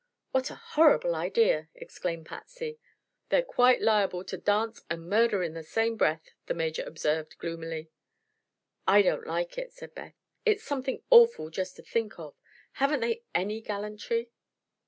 "What a horrible idea!" exclaimed Patsy. "They're quite liable to dance and murder in the same breath," the Major observed, gloomily. "I don't like it," said Beth. "It's something awful just to think of. Haven't they any gallantry?"